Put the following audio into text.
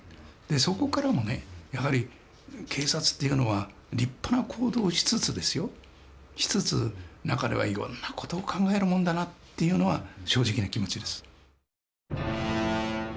そこからもねやはり警察というのは立派な行動をしつつですよしつつ中ではいろんな事を考えるもんだなというのは正直な気持ちです。